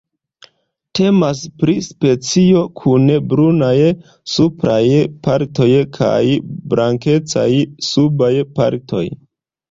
Temas pri specio kun brunaj supraj partoj kaj blankecaj subaj partoj.